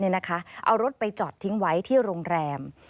เอารถไปจอดทิ้งไว้ที่โรงแรม